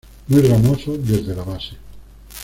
Muy ramoso desde la base.